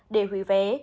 để hủy vé